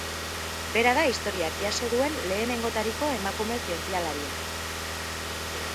Bera da historiak jaso duen lehenengotariko emakume zientzialaria.